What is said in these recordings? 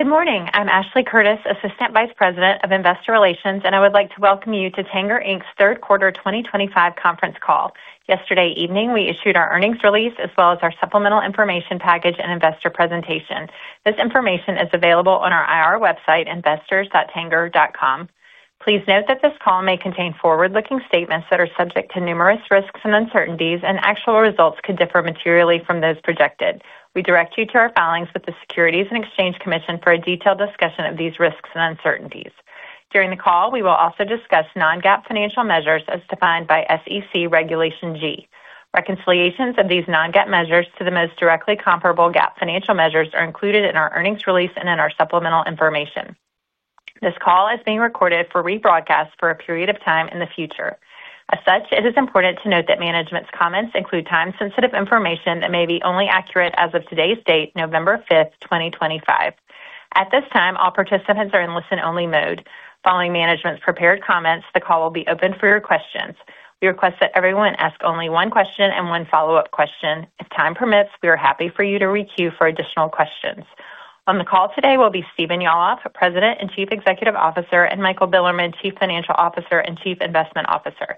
Good morning. I'm Ashley Curtis, Assistant Vice President of Investor Relations, and I would like to welcome you to Tanger's third quarter 2025 conference call. Yesterday evening, we issued our earnings release as well as our supplemental information package and investor presentation. This information is available on our IR website, investors.tanger.com. Please note that this call may contain forward-looking statements that are subject to numerous risks and uncertainties, and actual results could differ materially from those projected. We direct you to our filings with the Securities and Exchange Commission for a detailed discussion of these risks and uncertainties. During the call, we will also discuss Non-GAAP financial measures as defined by SEC Regulation G. Reconciliations of these Non-GAAP measures to the most directly comparable GAAP financial measures are included in our earnings release and in our supplemental information. This call is being recorded for rebroadcast for a period of time in the future. As such, it is important to note that management's comments include time-sensitive information that may be only accurate as of today's date, November 5th, 2025. At this time, all participants are in listen-only mode. Following management's prepared comments, the call will be open for your questions. We request that everyone ask only one question and one follow-up question. If time permits, we are happy for you to re-queue for additional questions. On the call today will be Stephen Yalof, President and Chief Executive Officer, and Michael Bilerman, Chief Financial Officer and Chief Investment Officer.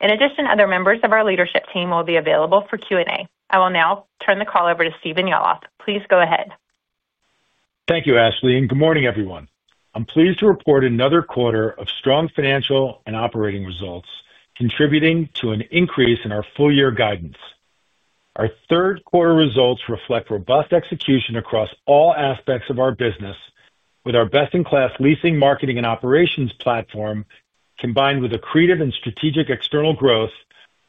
In addition, other members of our leadership team will be available for Q&A. I will now turn the call over to Stephen Yalof. Please go ahead. Thank you, Ashley, and good morning, everyone. I'm pleased to report another quarter of strong financial and operating results contributing to an increase in our full-year guidance. Our third quarter results reflect robust execution across all aspects of our business. With our best-in-class leasing, marketing, and operations platform combined with accretive and strategic external growth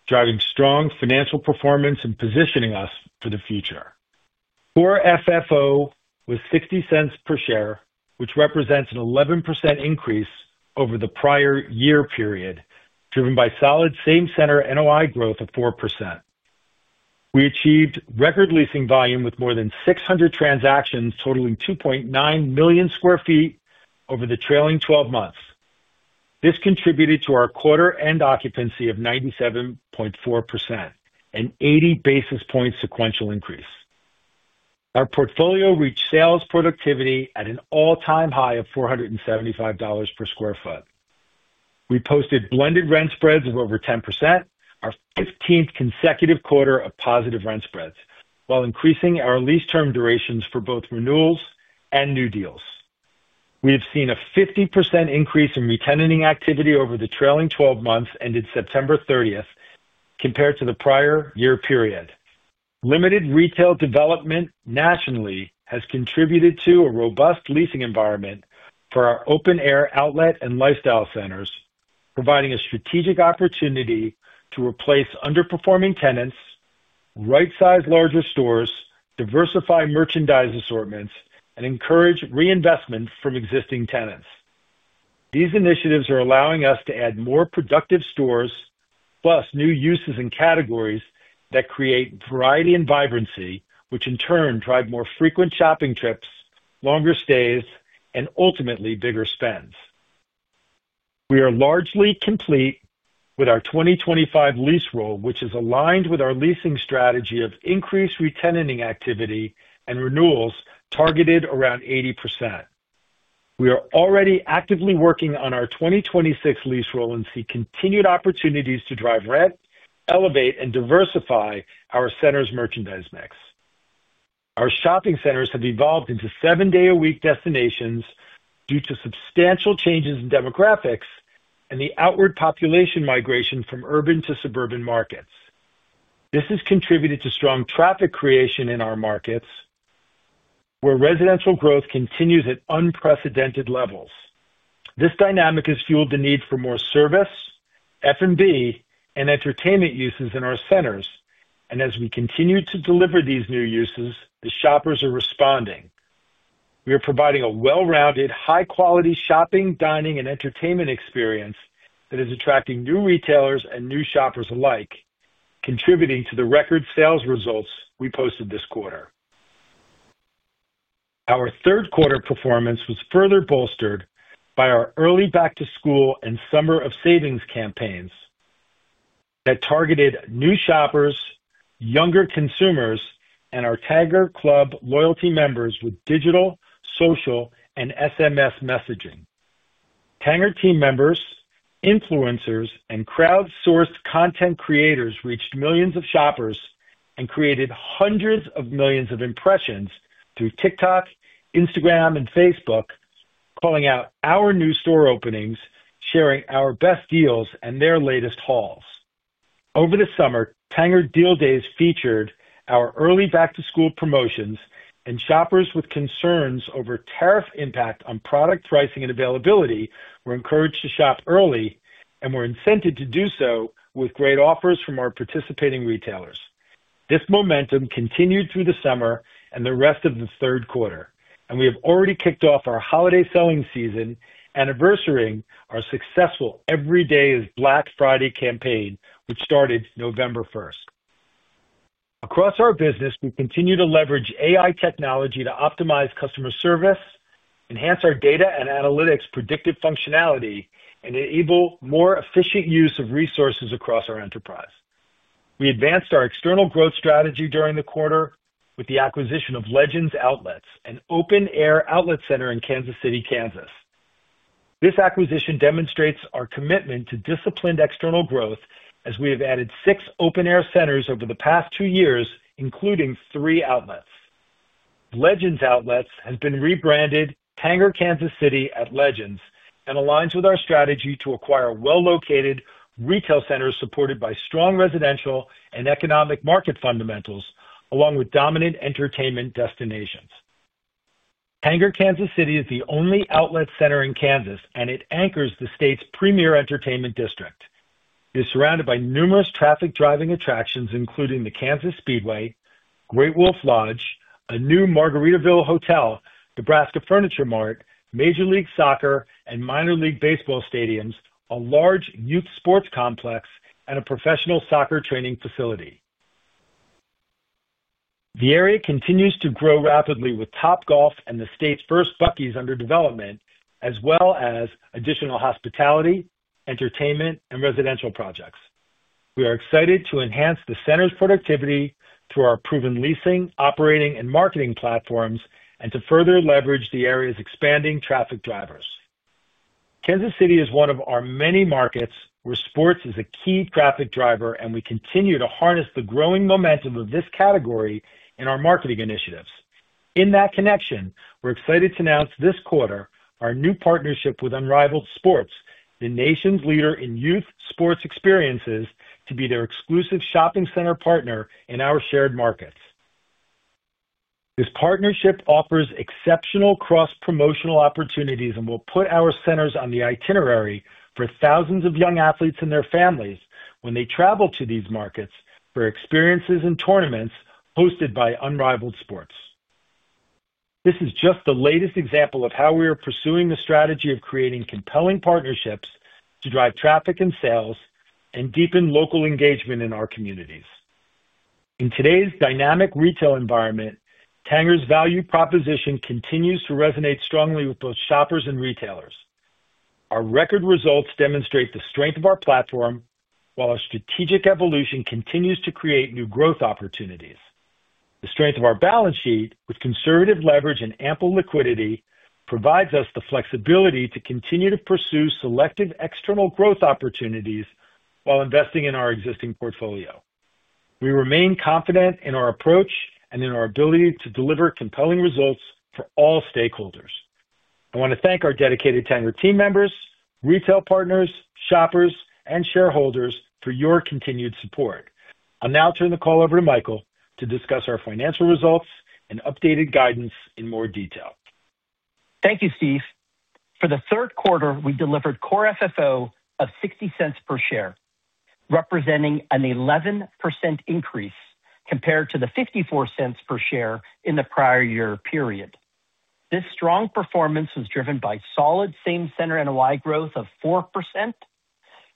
driving strong financial performance and positioning us for the future. Core FFO was $0.60 per share, which represents an 11% increase over the prior year period. Driven by solid same-center NOI growth of 4%. We achieved record leasing volume with more than 600 transactions totaling 2.9 million sq ft over the trailing 12 months. This contributed to our quarter-end occupancy of 97.4%, an 80 basis point sequential increase. Our portfolio reached sales productivity at an all-time high of $475 per square foot. We posted blended rent spreads of over 10%, our 15th consecutive quarter of positive rent spreads, while increasing our lease term durations for both renewals and new deals. We have seen a 50% increase in re-tenanting activity over the trailing 12 months ended September 30 compared to the prior year period. Limited retail development nationally has contributed to a robust leasing environment for our open-air outlet and lifestyle centers, providing a strategic opportunity to replace underperforming tenants, right-size larger stores, diversify merchandise assortments, and encourage reinvestment from existing tenants. These initiatives are allowing us to add more productive stores, plus new uses and categories that create variety and vibrancy, which in turn drive more frequent shopping trips, longer stays, and ultimately bigger spends. We are largely complete with our 2025 lease roll, which is aligned with our leasing strategy of increased re-tenanting activity and renewals targeted around 80%. We are already actively working on our 2026 lease roll and see continued opportunities to drive rent, elevate, and diversify our centers' merchandise mix. Our shopping centers have evolved into seven-day-a-week destinations due to substantial changes in demographics and the outward population migration from urban to suburban markets. This has contributed to strong traffic creation in our markets, where residential growth continues at unprecedented levels. This dynamic has fueled the need for more service, F&B, and entertainment uses in our centers. As we continue to deliver these new uses, the shoppers are responding. We are providing a well-rounded, high-quality shopping, dining, and entertainment experience that is attracting new retailers and new shoppers alike, contributing to the record sales results we posted this quarter. Our third quarter performance was further bolstered by our early back-to-school and Summer of Savings campaigns. That targeted new shoppers, younger consumers, and our Tanger Club loyalty members with digital, social, and SMS messaging. Tanger team members, influencers, and crowd-sourced content creators reached millions of shoppers and created hundreds of millions of impressions through TikTok, Instagram, and Facebook, calling out our new store openings, sharing our best deals, and their latest hauls. Over the summer, Tanger Deal Days featured our early back-to-school promotions, and shoppers with concerns over tariff impact on product pricing and availability were encouraged to shop early and were incented to do so with great offers from our participating retailers. This momentum continued through the summer and the rest of the third quarter, and we have already kicked off our holiday selling season anniversarying our successful Every Day is Black Friday campaign, which started November 1st. Across our business, we continue to leverage AI technology to optimize customer service, enhance our data and analytics predictive functionality, and enable more efficient use of resources across our enterprise. We advanced our external growth strategy during the quarter with the acquisition of Legends Outlets, an open-air outlet center in Kansas City, Kansas. This acquisition demonstrates our commitment to disciplined external growth as we have added six open-air centers over the past two years, including three outlets. Legends Outlets has been rebranded Tanger Kansas City at Legends and aligns with our strategy to acquire well-located retail centers supported by strong residential and economic market fundamentals, along with dominant entertainment destinations. Tanger Kansas City is the only outlet center in Kansas, and it anchors the state's premier entertainment district. It's surrounded by numerous traffic-driving attractions, including the Kansas Speedway, Great Wolf Lodge, a new Margaritaville Hotel, Nebraska Furniture Mart, Major League Soccer and Minor League Baseball stadiums, a large youth sports complex, and a professional soccer training facility. The area continues to grow rapidly with Topgolf and the state's first Buc-ee's under development, as well as additional hospitality, entertainment, and residential projects. We are excited to enhance the center's productivity through our proven leasing, operating, and marketing platforms and to further leverage the area's expanding traffic drivers. Kansas City is one of our many markets where sports is a key traffic driver, and we continue to harness the growing momentum of this category in our marketing initiatives. In that connection, we're excited to announce this quarter our new partnership with Unrivaled Sports, the nation's leader in youth sports experiences, to be their exclusive shopping center partner in our shared markets. This partnership offers exceptional cross-promotional opportunities and will put our centers on the itinerary for thousands of young athletes and their families when they travel to these markets for experiences and tournaments hosted by Unrivaled Sports. This is just the latest example of how we are pursuing the strategy of creating compelling partnerships to drive traffic and sales and deepen local engagement in our communities. In today's dynamic retail environment, Tanger's value proposition continues to resonate strongly with both shoppers and retailers. Our record results demonstrate the strength of our platform while our strategic evolution continues to create new growth opportunities. The strength of our balance sheet, with conservative leverage and ample liquidity, provides us the flexibility to continue to pursue selective external growth opportunities while investing in our existing portfolio. We remain confident in our approach and in our ability to deliver compelling results for all stakeholders. I want to thank our dedicated Tanger team members, retail partners, shoppers, and shareholders for your continued support. I'll now turn the call over to Michael to discuss our financial results and updated guidance in more detail. Thank you, Steve. For the third quarter, we delivered core FFO of $0.60 per share, representing an 11% increase compared to the $0.54 per share in the prior year period. This strong performance was driven by solid same-center NOI growth of 4%.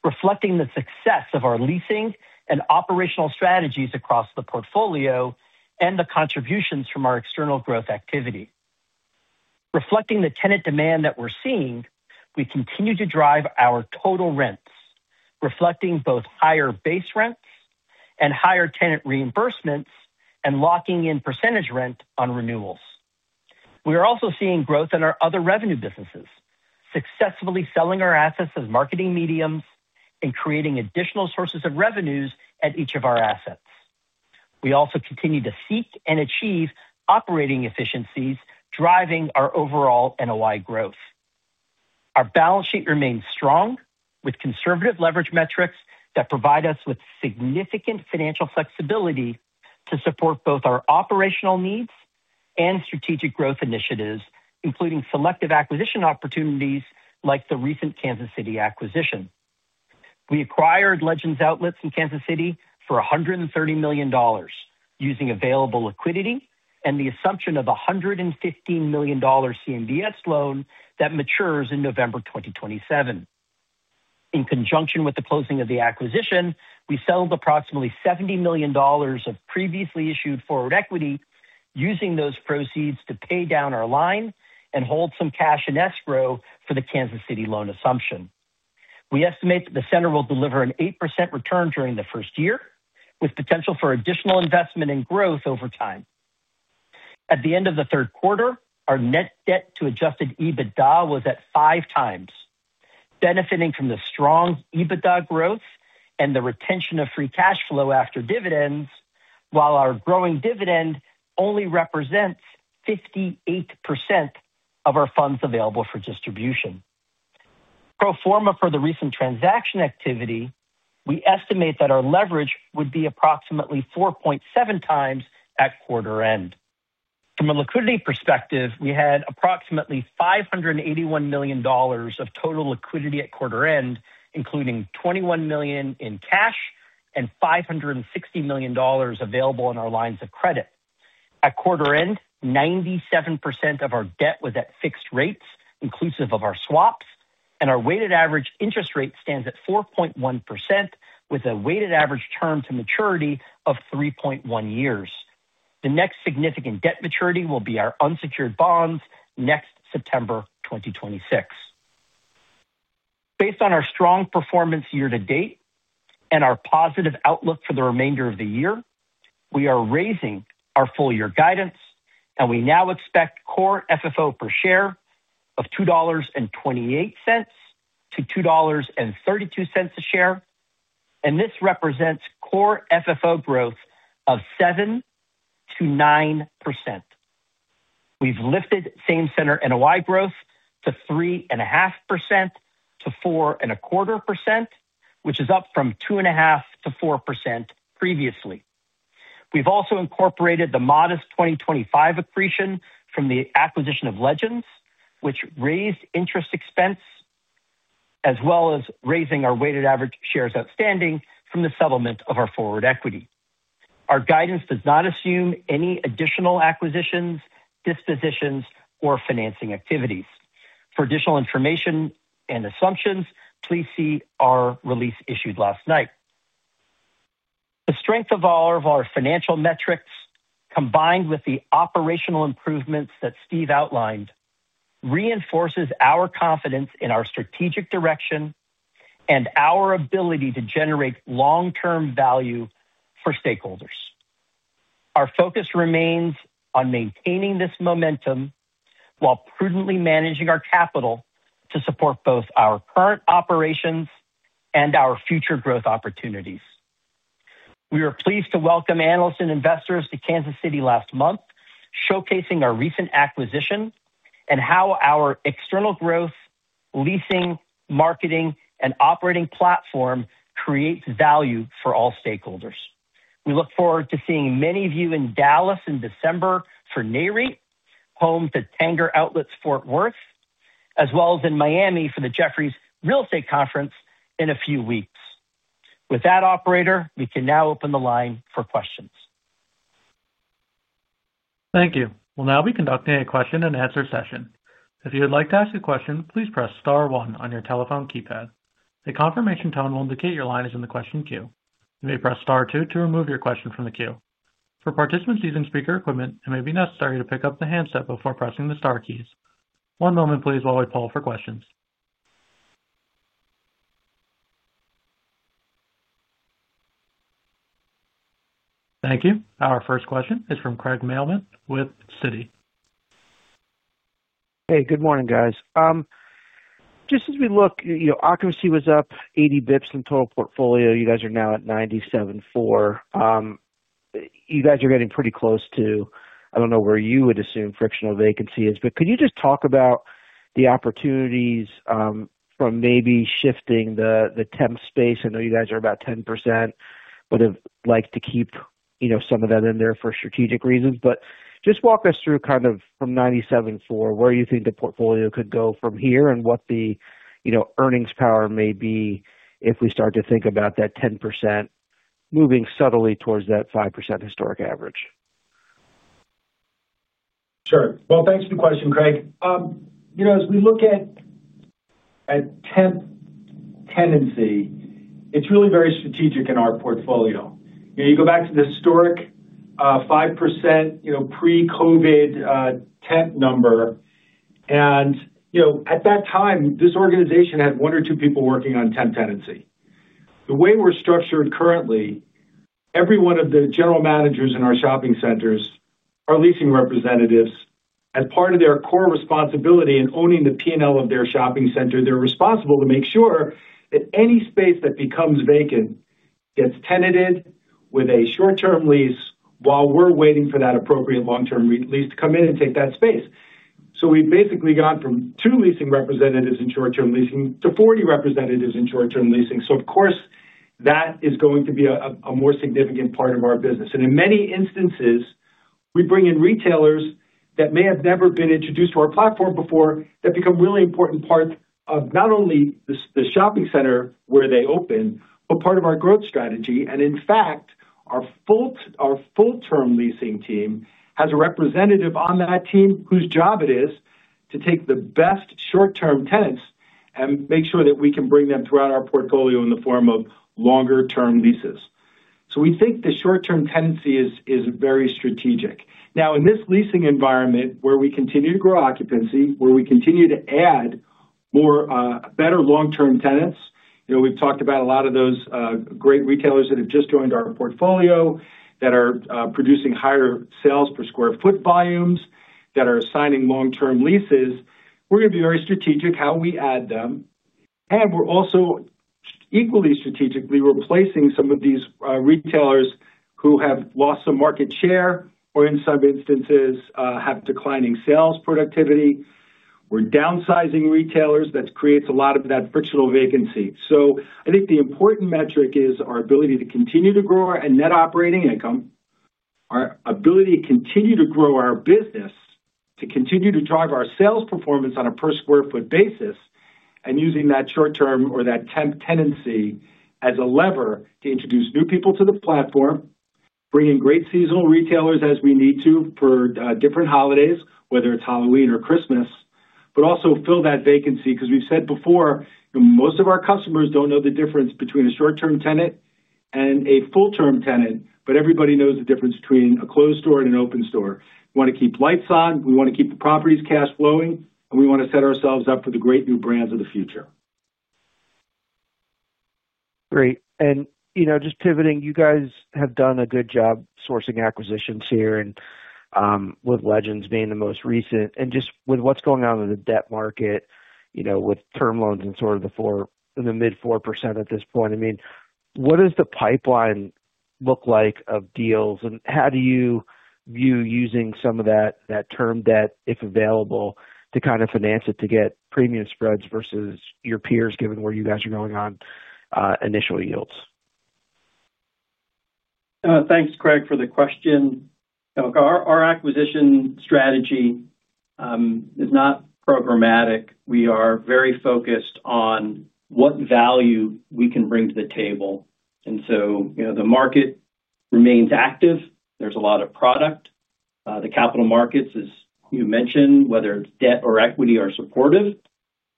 Reflecting the success of our leasing and operational strategies across the portfolio and the contributions from our external growth activity. Reflecting the tenant demand that we're seeing, we continue to drive our total rents, reflecting both higher base rents and higher tenant reimbursements and locking in percentage rent on renewals. We are also seeing growth in our other revenue businesses, successfully selling our assets as marketing mediums and creating additional sources of revenues at each of our assets. We also continue to seek and achieve operating efficiencies, driving our overall NOI growth. Our balance sheet remains strong with conservative leverage metrics that provide us with significant financial flexibility to support both our operational needs and strategic growth initiatives, including selective acquisition opportunities like the recent Kansas City acquisition. We acquired Legends Outlets in Kansas City for $130 million, using available liquidity and the assumption of a $115 million CMBS loan that matures in November 2027. In conjunction with the closing of the acquisition, we settled approximately $70 million of previously issued forward equity, using those proceeds to pay down our line and hold some cash in escrow for the Kansas City loan assumption. We estimate that the center will deliver an 8% return during the first year, with potential for additional investment and growth over time. At the end of the third quarter, our net debt to Adjusted EBITDA was at five times, benefiting from the strong EBITDA growth and the retention of free cash flow after dividends, while our growing dividend only represents 58% of our funds available for distribution. Pro forma for the recent transaction activity, we estimate that our leverage would be approximately 4.7 times at quarter-end. From a liquidity perspective, we had approximately $581 million of total liquidity at quarter-end, including $21 million in cash and $560 million available in our lines of credit. At quarter-end, 97% of our debt was at fixed rates, inclusive of our swaps, and our weighted average interest rate stands at 4.1%, with a weighted average term to maturity of 3.1 years. The next significant debt maturity will be our unsecured bonds next September 2026. Based on our strong performance year to date and our positive outlook for the remainder of the year, we are raising our full-year guidance, and we now expect core FFO per share of $2.28-$2.32 a share, and this represents core FFO growth of 7%-9%. We've lifted same-center NOI growth to 3.5%-4.25%, which is up from 2.5%-4% previously. We've also incorporated the modest 2025 accretion from the acquisition of Legends, which raised interest expense, as well as raising our weighted average shares outstanding from the settlement of our forward equity. Our guidance does not assume any additional acquisitions, dispositions, or financing activities. For additional information and assumptions, please see our release issued last night. The strength of all of our financial metrics, combined with the operational improvements that Steve outlined, reinforces our confidence in our strategic direction and our ability to generate long-term value for stakeholders. Our focus remains on maintaining this momentum while prudently managing our capital to support both our current operations and our future growth opportunities. We were pleased to welcome analysts and investors to Kansas City last month, showcasing our recent acquisition and how our external growth, leasing, marketing, and operating platform creates value for all stakeholders. We look forward to seeing many of you in Dallas in December for Nayri, home to Tanger Outlets Fort Worth, as well as in Miami for the Jefferies Real Estate Conference in a few weeks. With that operator, we can now open the line for questions. Thank you. We'll now be conducting a question-and-answer session. If you would like to ask a question, please press star one on your telephone keypad. The confirmation tone will indicate your line is in the question queue. You may press star two to remove your question from the queue. For participants using speaker equipment, it may be necessary to pick up the handset before pressing the Star keys. One moment, please, while we poll for questions. Thank you. Our first question is from Craig Mailman with Citigroup. Hey, good morning, guys. Just as we look, you know, occupancy was up 80 basis points in total portfolio. You guys are now at 97.4%. You guys are getting pretty close to, I do not know where you would assume frictional vacancy is, but could you just talk about the opportunities. From maybe shifting the temp space? I know you guys are about 10%, but I'd like to keep, you know, some of that in there for strategic reasons. Just walk us through kind of from 97.4%, where you think the portfolio could go from here and what the, you know, earnings power may be if we start to think about that 10% moving subtly towards that 5% historic average. Sure. Thanks for the question, Craig. You know, as we look at temp tenancy, it's really very strategic in our portfolio. You know, you go back to the historic 5%, you know, pre-COVID temp number. You know, at that time, this organization had one or two people working on temp tenancy. The way we're structured currently, every one of the general managers in our shopping centers are leasing representatives. As part of their core responsibility in owning the P&L of their shopping center, they're responsible to make sure that any space that becomes vacant gets tenanted with a short-term lease while we're waiting for that appropriate long-term lease to come in and take that space. We've basically gone from two leasing representatives in short-term leasing to 40 representatives in short-term leasing. Of course, that is going to be a more significant part of our business. In many instances, we bring in retailers that may have never been introduced to our platform before that become a really important part of not only the shopping center where they open, but part of our growth strategy. In fact, our full-term leasing team has a representative on that team whose job it is to take the best short-term tenants and make sure that we can bring them throughout our portfolio in the form of longer-term leases. We think the short-term tendency is very strategic. Now, in this leasing environment, where we continue to grow occupancy, where we continue to add more, better long-term tenants, you know, we've talked about a lot of those great retailers that have just joined our portfolio that are producing higher sales per square feet volumes, that are assigning long-term leases. We're going to be very strategic how we add them. We're also equally strategically replacing some of these retailers who have lost some market share or, in some instances, have declining sales productivity. We're downsizing retailers. That creates a lot of that frictional vacancy. I think the important metric is our ability to continue to grow our net operating income, our ability to continue to grow our business, to continue to drive our sales performance on a per square foot basis, and using that short-term or that temp tenancy as a lever to introduce new people to the platform, bringing great seasonal retailers as we need to for different holidays, whether it's Halloween or Christmas, but also fill that vacancy. Because we've said before, you know, most of our customers don't know the difference between a short-term tenant and a full-term tenant, but everybody knows the difference between a closed store and an open store. We want to keep lights on. We want to keep the properties cash flowing, and we want to set ourselves up for the great new brands of the future. Great. You know, just pivoting, you guys have done a good job sourcing acquisitions here, with Legends being the most recent, and just with what's going on in the debt market, you know, with term loans and sort of the four, in the mid 4% at this point, I mean, what does the pipeline look like of deals, and how do you view using some of that term debt, if available, to kind of finance it to get premium spreads versus your peers, given where you guys are going on initial yields? Thanks, Craig, for the question. Our acquisition strategy is not programmatic. We are very focused on what value we can bring to the table. You know, the market remains active. There is a lot of product. The capital markets, as you mentioned, whether it is debt or equity, are supportive.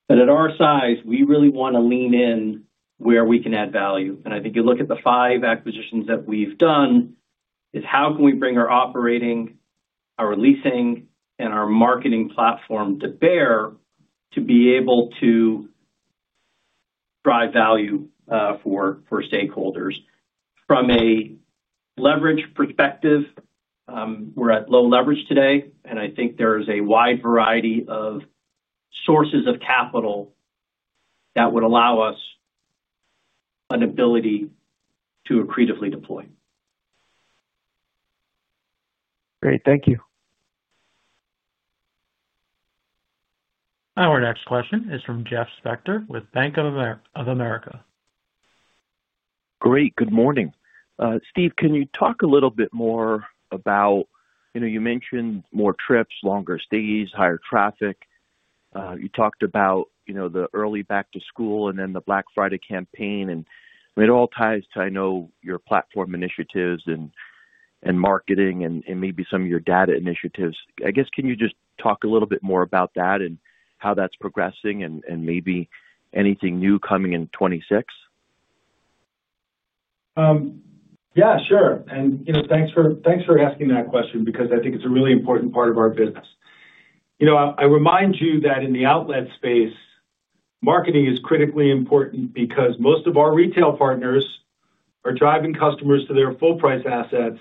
At our size, we really want to lean in where we can add value. I think you look at the five acquisitions that we have done, it is how can we bring our operating, our leasing, and our marketing platform to bear to be able to drive value for stakeholders. From a leverage perspective, we are at low leverage today, and I think there is a wide variety of sources of capital that would allow us an ability to accretively deploy. Great. Thank you. Our next question is from Jeff Spector with Bank of America. Great. Good morning. Steve, can you talk a little bit more about, you know, you mentioned more trips, longer stays, higher traffic. You talked about, you know, the early back to school and then the Black Friday campaign. It all ties to, I know, your platform initiatives and marketing and maybe some of your data initiatives. I guess, can you just talk a little bit more about that and how that's progressing and maybe anything new coming in 2026? Yeah, sure. You know, thanks for asking that question because I think it's a really important part of our business. You know, I remind you that in the outlet space, marketing is critically important because most of our retail partners are driving customers to their full-price assets,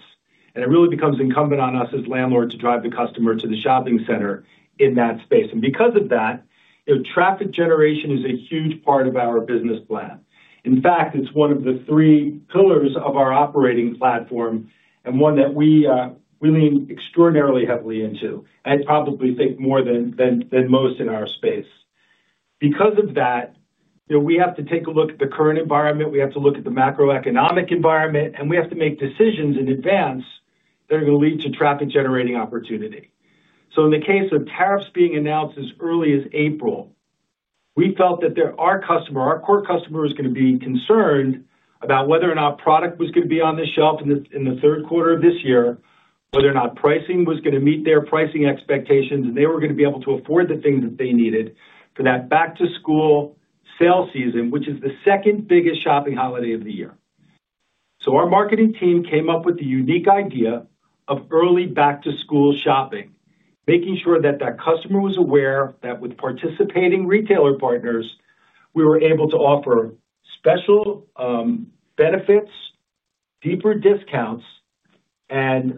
and it really becomes incumbent on us as landlords to drive the customer to the shopping center in that space. Because of that, you know, traffic generation is a huge part of our business plan. In fact, it's one of the three pillars of our operating platform and one that we lean extraordinarily heavily into. I probably think more than most in our space. Because of that, you know, we have to take a look at the current environment. We have to look at the macroeconomic environment, and we have to make decisions in advance that are going to lead to traffic-generating opportunity. In the case of tariffs being announced as early as April, we felt that our customer, our core customer, was going to be concerned about whether or not product was going to be on the shelf in the third quarter of this year, whether or not pricing was going to meet their pricing expectations, and they were going to be able to afford the things that they needed for that back-to-school sale season, which is the second biggest shopping holiday of the year. Our marketing team came up with the unique idea of early back-to-school shopping, making sure that that customer was aware that with participating retailer partners, we were able to offer special benefits, deeper discounts, and.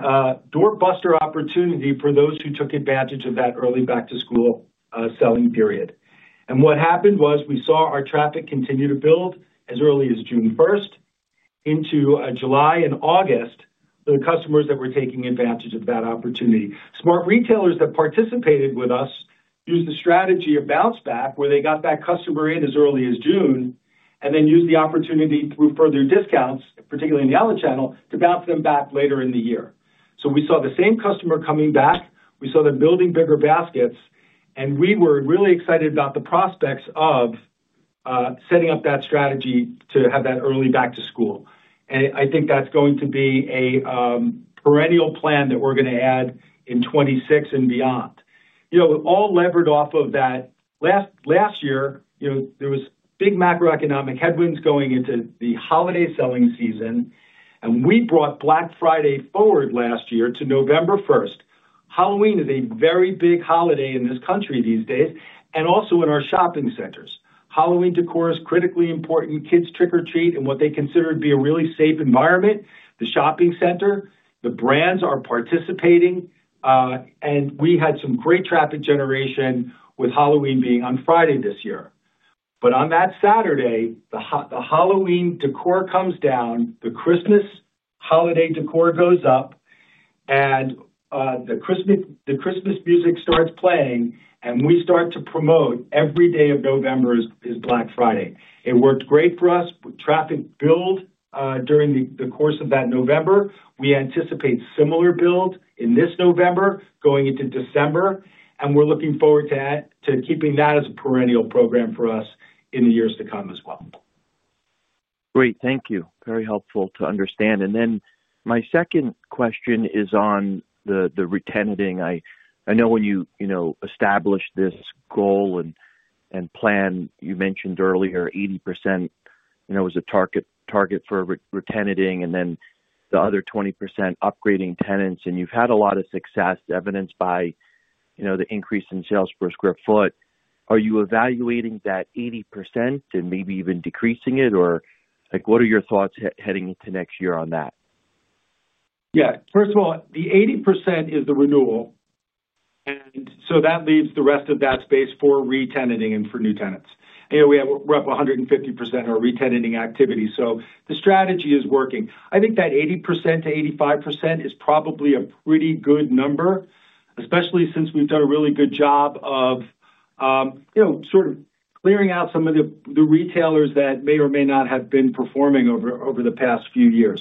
Door-buster opportunity for those who took advantage of that early back-to-school selling period. What happened was we saw our traffic continue to build as early as June 1 into July and August. The customers that were taking advantage of that opportunity, smart retailers that participated with us used the strategy of bounce back, where they got that customer in as early as June and then used the opportunity through further discounts, particularly in the outlet channel, to bounce them back later in the year. We saw the same customer coming back. We saw them building bigger baskets, and we were really excited about the prospects of setting up that strategy to have that early back-to-school. I think that's going to be a perennial plan that we're going to add in 2026 and beyond, you know, all levered off of that. Last year, you know, there were big macroeconomic headwinds going into the holiday selling season, and we brought Black Friday forward last year to November 1. Halloween is a very big holiday in this country these days and also in our shopping centers. Halloween decor is critically important. Kids trick-or-treat in what they consider to be a really safe environment, the shopping center. The brands are participating, and we had some great traffic generation with Halloween being on Friday this year. On that Saturday, the Halloween decor comes down, the Christmas holiday decor goes up. The Christmas music starts playing, and we start to promote every day of November as Black Friday. It worked great for us. Traffic build during the course of that November. We anticipate similar build in this November going into December, and we're looking forward to keeping that as a perennial program for us in the years to come as well. Great. Thank you. Very helpful to understand. My second question is on the retenting. I know when you, you know, established this goal and plan, you mentioned earlier 80% was a target for retenting, and then the other 20% upgrading tenants. You have had a lot of success, evidenced by, you know, the increase in sales per square foot. Are you evaluating that 80% and maybe even decreasing it, or what are your thoughts heading into next year on that? Yeah. First of all, the 80% is the renewal. That leaves the rest of that space for retenting and for new tenants. You know, we have a rough 150% of our retenting activity. The strategy is working. I think that 80%-85% is probably a pretty good number. Especially since we've done a really good job of, you know, sort of clearing out some of the retailers that may or may not have been performing over the past few years.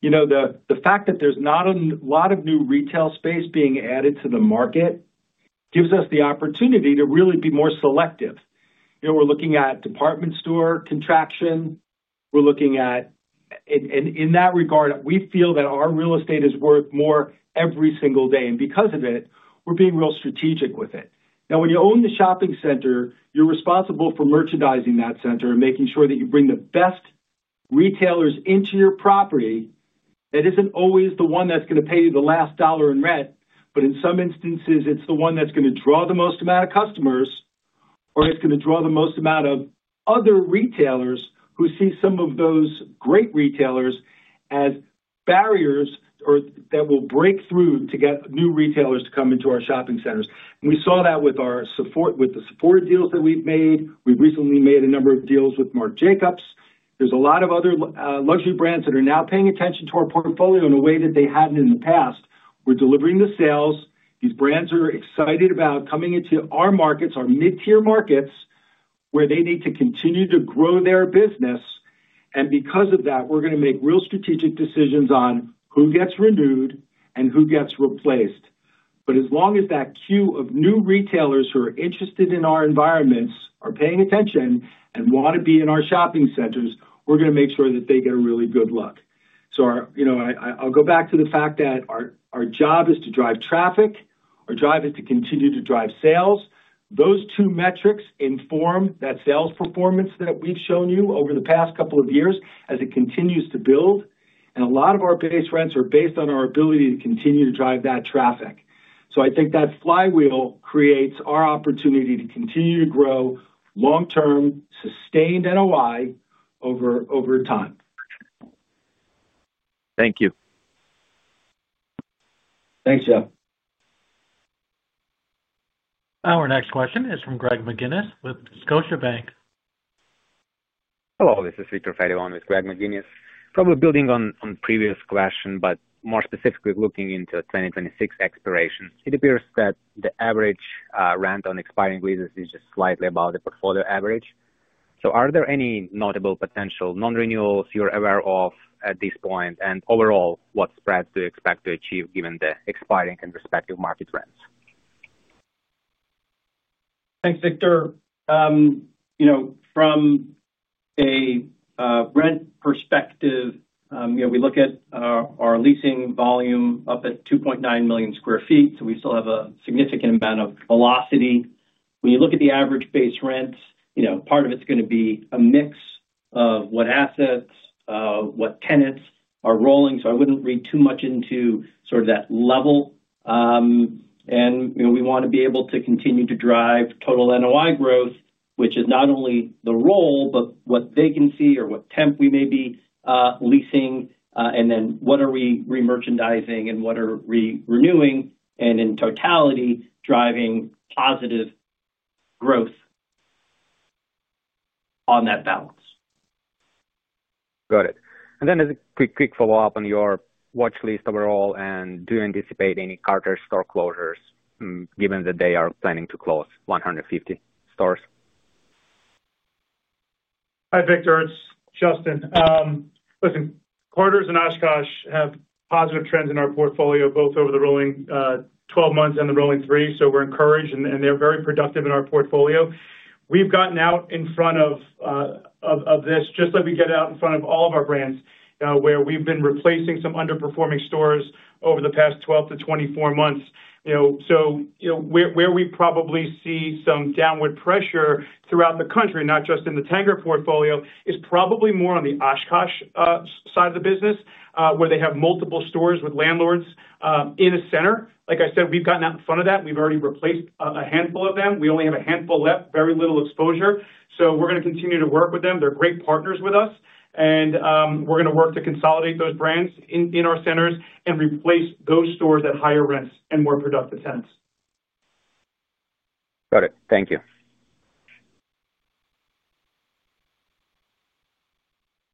You know, the fact that there's not a lot of new retail space being added to the market gives us the opportunity to really be more selective. You know, we're looking at department store contraction. We're looking at, in that regard, we feel that our real estate is worth more every single day. Because of it, we're being real strategic with it. Now, when you own the shopping center, you're responsible for merchandising that center and making sure that you bring the best retailers into your property. That isn't always the one that's going to pay you the last dollar in rent, but in some instances, it's the one that's going to draw the most amount of customers, or it's going to draw the most amount of other retailers who see some of those great retailers as barriers or that will break through to get new retailers to come into our shopping centers. We saw that with our support, with the support deals that we've made. We recently made a number of deals with Marc Jacobs. There's a lot of other luxury brands that are now paying attention to our portfolio in a way that they hadn't in the past. We're delivering the sales. These brands are excited about coming into our markets, our mid-tier markets, where they need to continue to grow their business. Because of that, we're going to make real strategic decisions on who gets renewed and who gets replaced. As long as that queue of new retailers who are interested in our environments are paying attention and want to be in our shopping centers, we're going to make sure that they get a really good look. You know, I'll go back to the fact that our job is to drive traffic. Our job is to continue to drive sales. Those two metrics inform that sales performance that we've shown you over the past couple of years as it continues to build. A lot of our base rents are based on our ability to continue to drive that traffic. I think that flywheel creates our opportunity to continue to grow long-term, sustained NOI over time. Thank you. Thanks, Jeff. Our next question is from Greg McGinniss with Scotiabank. Hello. This is Victor [Fedelon] with Greg McGinnis. Probably building on the previous question, but more specifically looking into 2026 expiration. It appears that the average rent on expiring leases is just slightly above the portfolio average. Are there any notable potential non-renewals you're aware of at this point? Overall, what spreads do you expect to achieve given the expiring and respective market rents? Thanks, Victor. You know, from a rent perspective, you know, we look at our leasing volume up at 2.9 million sq ft. So we still have a significant amount of velocity. When you look at the average base rent, you know, part of it is going to be a mix of what assets, what tenants are rolling. I would not read too much into sort of that level. You know, we want to be able to continue to drive total NOI growth, which is not only the roll, but what vacancy or what temp we may be leasing, and then what are we re-merchandising and what are we renewing, and in totality, driving positive growth. On that balance. Got it. As a quick follow-up on your watch list overall, do you anticipate any Carter's store closures given that they are planning to close 150 stores? Hi, Victor. It's Justin. Listen, Carter's and OshKosh have positive trends in our portfolio, both over the rolling 12 months and the rolling three. So we're encouraged, and they're very productive in our portfolio. We've gotten out in front of this, just like we get out in front of all of our brands, where we've been replacing some underperforming stores over the past 12-24 months. You know, where we probably see some downward pressure throughout the country, not just in the Tanger portfolio, is probably more on the OshKosh side of the business, where they have multiple stores with landlords in a center. Like I said, we've gotten out in front of that. We've already replaced a handful of them. We only have a handful left, very little exposure. We're going to continue to work with them. They're great partners with us. We're going to work to consolidate those brands in our centers and replace those stores at higher rents and more productive tenants. Got it. Thank you.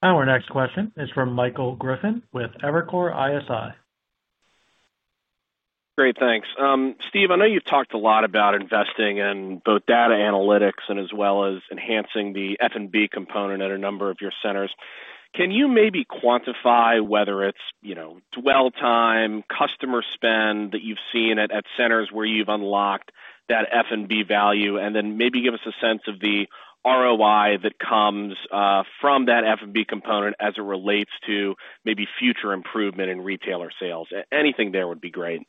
Our next question is from Michael Griffin with Evercore ISI. Great. Thanks. Steve, I know you've talked a lot about investing in both data analytics and as well as enhancing the F&B component at a number of your centers. Can you maybe quantify whether it's, you know, dwell time, customer spend that you've seen at centers where you've unlocked that F&B value, and then maybe give us a sense of the ROI that comes from that F&B component as it relates to maybe future improvement in retailer sales? Anything there would be great.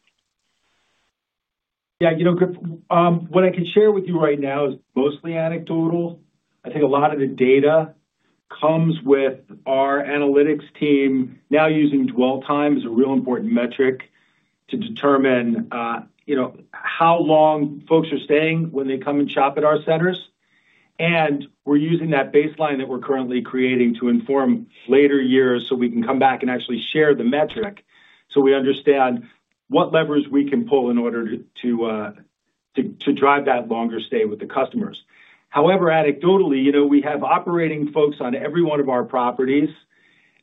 Yeah. You know, what I can share with you right now is mostly anecdotal. I think a lot of the data comes with our analytics team now using dwell time as a real important metric to determine, you know, how long folks are staying when they come and shop at our centers. We are using that baseline that we are currently creating to inform later years so we can come back and actually share the metric so we understand what levers we can pull in order to drive that longer stay with the customers. However, anecdotally, you know, we have operating folks on every one of our properties,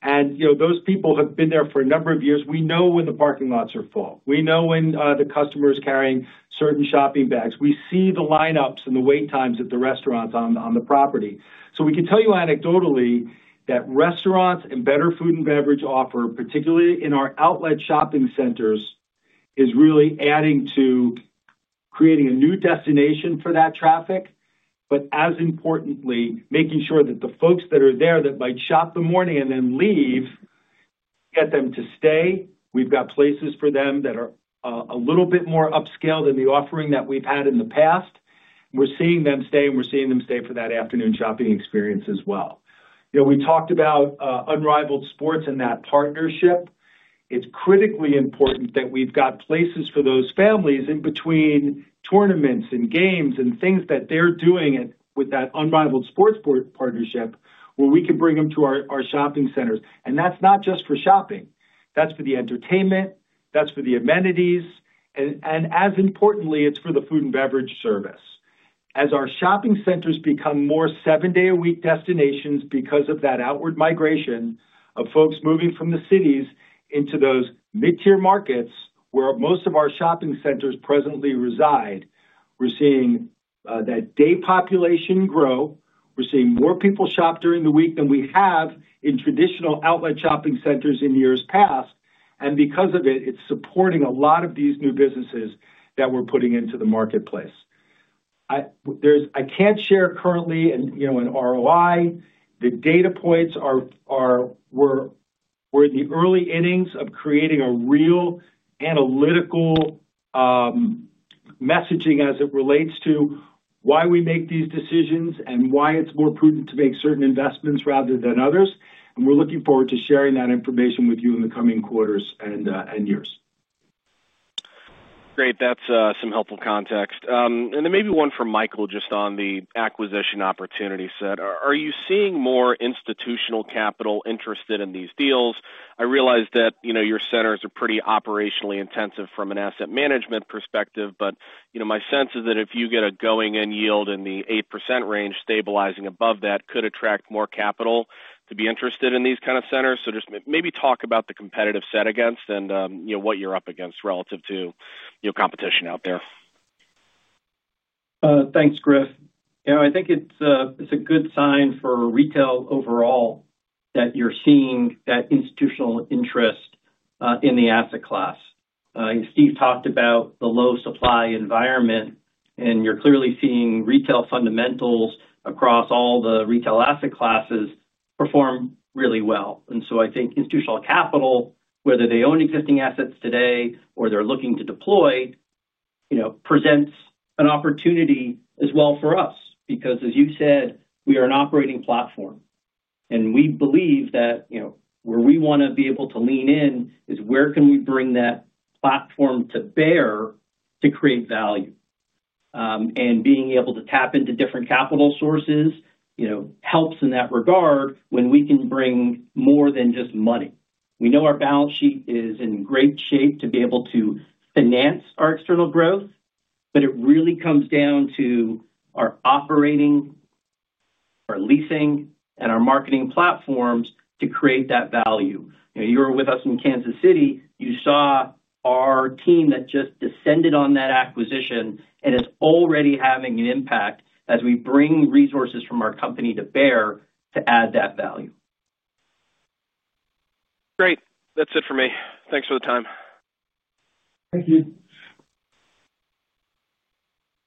and, you know, those people have been there for a number of years. We know when the parking lots are full. We know when the customer is carrying certain shopping bags. We see the lineups and the wait times at the restaurants on the property. We can tell you anecdotally that restaurants and better food and beverage offer, particularly in our outlet shopping centers, is really adding to creating a new destination for that traffic, but as importantly, making sure that the folks that are there that might shop the morning and then leave, get them to stay. We have got places for them that are a little bit more upscale than the offering that we have had in the past. We are seeing them stay, and we are seeing them stay for that afternoon shopping experience as well. You know, we talked about Unrivaled Sports and that partnership. It is critically important that we have got places for those families in between tournaments and games and things that they are doing with that Unrivaled Sports partnership where we can bring them to our shopping centers. That's not just for shopping. That's for the entertainment. That's for the amenities. As importantly, it's for the food and beverage service. As our shopping centers become more seven-day-a-week destinations because of that outward migration of folks moving from the cities into those mid-tier markets where most of our shopping centers presently reside, we're seeing that day population grow. We're seeing more people shop during the week than we have in traditional outlet shopping centers in years past. Because of it, it's supporting a lot of these new businesses that we're putting into the marketplace. I can't share currently, and, you know, in ROI, the data points are. We're in the early innings of creating a real analytical messaging as it relates to why we make these decisions and why it's more prudent to make certain investments rather than others. We are looking forward to sharing that information with you in the coming quarters and years. Great. That's some helpful context. Maybe one from Michael just on the acquisition opportunity set. Are you seeing more institutional capital interested in these deals? I realize that, you know, your centers are pretty operationally intensive from an asset management perspective, but, you know, my sense is that if you get a going-in yield in the 8% range, stabilizing above that could attract more capital to be interested in these kinds of centers. Just maybe talk about the competitive set against and, you know, what you're up against relative to, you know, competition out there. Thanks, Griff. You know, I think it's a good sign for retail overall that you're seeing that institutional interest in the asset class. Steve talked about the low supply environment, and you're clearly seeing retail fundamentals across all the retail asset classes perform really well. I think institutional capital, whether they own existing assets today or they're looking to deploy, you know, presents an opportunity as well for us because, as you said, we are an operating platform. We believe that, you know, where we want to be able to lean in is where can we bring that platform to bear to create value. Being able to tap into different capital sources, you know, helps in that regard when we can bring more than just money. We know our balance sheet is in great shape to be able to finance our external growth, but it really comes down to our operating, our leasing, and our marketing platforms to create that value. You know, you were with us in Kansas City. You saw our team that just descended on that acquisition and is already having an impact as we bring resources from our company to bear to add that value. Great. That's it for me. Thanks for the time. Thank you.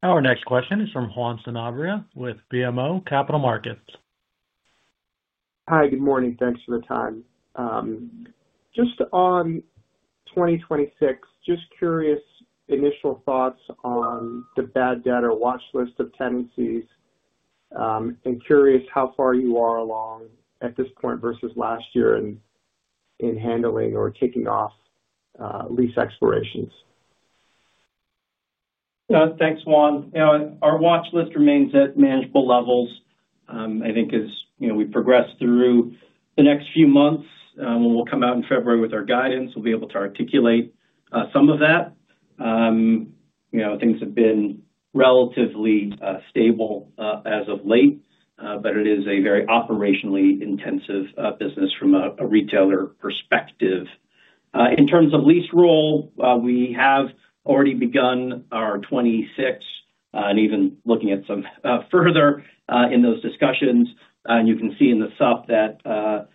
Our next question is from Juan Sainabria with BMO Capital Markets. Hi, good morning. Thanks for the time. Just on 2026, just curious, initial thoughts on the bad debtor watch list of tenancies. And curious how far you are along at this point versus last year in handling or taking off lease expirations. Thanks, Juan. You know, our watch list remains at manageable levels. I think as, you know, we progress through the next few months, when we'll come out in February with our guidance, we'll be able to articulate some of that. You know, things have been relatively stable as of late, but it is a very operationally intensive business from a retailer perspective. In terms of lease roll, we have already begun our 2026 and even looking at some further in those discussions. And you can see in the sub that.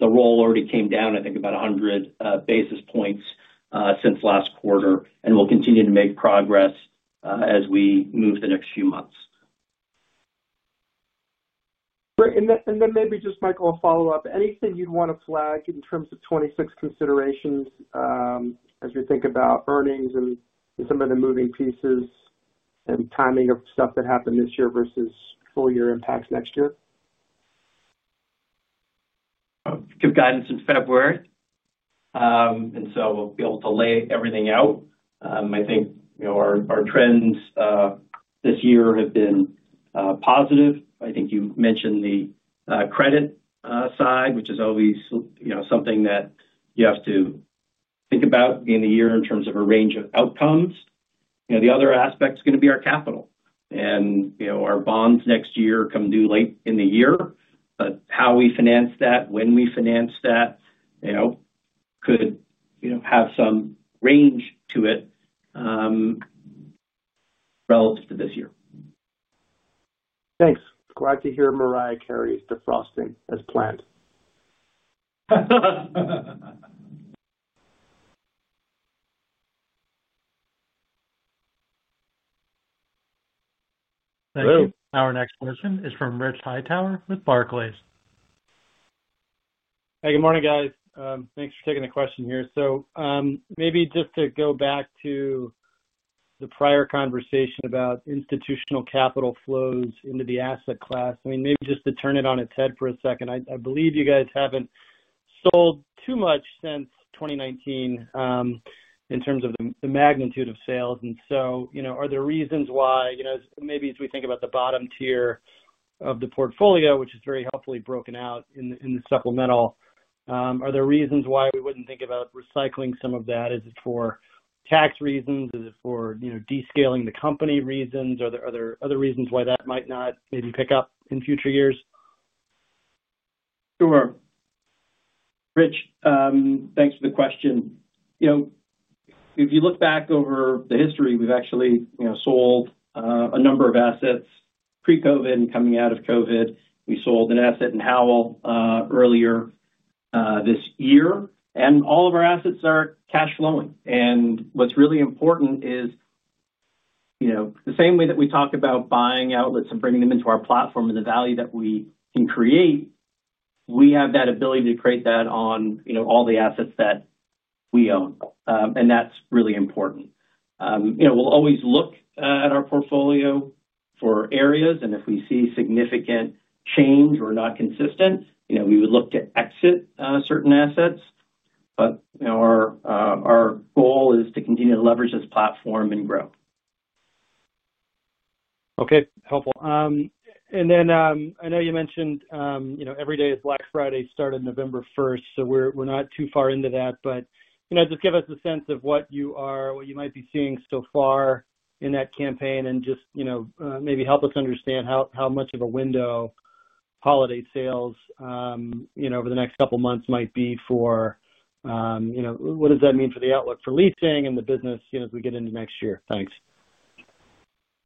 The roll already came down, I think, about 100 basis points since last quarter, and we'll continue to make progress as we move the next few months. Great. Maybe just Michael, a follow-up. Anything you'd want to flag in terms of 2026 considerations? As we think about earnings and some of the moving pieces, and timing of stuff that happened this year versus full year impacts next year? Give guidance in February. We will be able to lay everything out. I think, you know, our trends this year have been positive. I think you mentioned the credit side, which is always, you know, something that you have to think about in the year in terms of a range of outcomes. You know, the other aspect is going to be our capital. You know, our bonds next year come due late in the year. How we finance that, when we finance that, you know, could, you know, have some range to it relative to this year. Thanks. Glad to hear Mariah Carey's defrosting as planned. Thank you. Our next question is from Rich Hightower with Barclays. Hi, good morning, guys. Thanks for taking the question here. Maybe just to go back to the prior conversation about institutional capital flows into the asset class. I mean, maybe just to turn it on its head for a second. I believe you guys have not sold too much since 2019 in terms of the magnitude of sales. Are there reasons why, you know, maybe as we think about the bottom tier of the portfolio, which is very helpfully broken out in the supplemental, are there reasons why we would not think about recycling some of that? Is it for tax reasons? Is it for, you know, descaling the company reasons? Are there other reasons why that might not maybe pick up in future years? Sure. Rich, thanks for the question. You know, if you look back over the history, we've actually, you know, sold a number of assets pre-COVID and coming out of COVID. We sold an asset in Howell earlier this year. And all of our assets are cash flowing. What's really important is, you know, the same way that we talk about buying outlets and bringing them into our platform and the value that we can create, we have that ability to create that on, you know, all the assets that we own. That's really important. You know, we'll always look at our portfolio for areas, and if we see significant change or not consistent, you know, we would look to exit certain assets. You know, our goal is to continue to leverage this platform and grow. Okay. Helpful. I know you mentioned, you know, every day is Black Friday, started November 1. We're not too far into that. You know, just give us a sense of what you are, what you might be seeing so far in that campaign and just, you know, maybe help us understand how much of a window holiday sales, you know, over the next couple of months might be for. You know, what does that mean for the outlook for leasing and the business, you know, as we get into next year? Thanks.